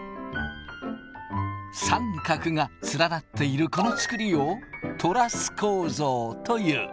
三角が連なっているこのつくりをトラス構造という。